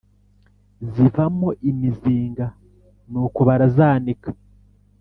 Zivamo imizinga nuko barazanika